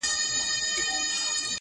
لكه د مور چي د دعا خبر په لپه كــي وي،